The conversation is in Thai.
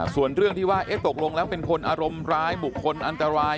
ส่วนเรื่องที่ว่าตกลงแล้วเป็นคนอารมณ์ร้ายบุคคลอันตราย